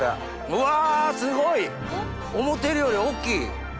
うわすごい！思うてるより大きい！